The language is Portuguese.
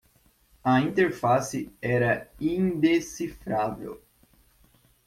A interface era indecifrável.